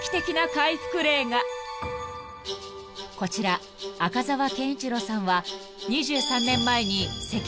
［こちら赤澤賢一郎さんは］